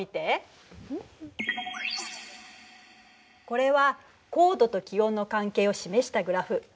これは高度と気温の関係を示したグラフ。